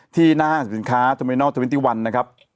ที่หน้าห้างสินค้าสมินทร์๒๑นะครับ